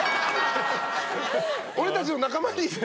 俺たちの仲間にって？